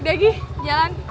udah gi jalan